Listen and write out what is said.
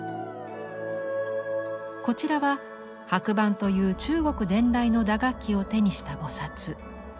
こちらは拍板という中国伝来の打楽器を手にした菩。